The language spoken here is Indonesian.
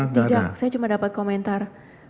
tidak saya cuma dapat komentar